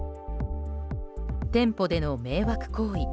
店舗での迷惑行為。